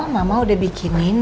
mama udah bikinin